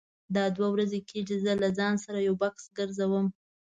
دا دوه ورځې کېږي زه له ځان سره یو بکس ګرځوم.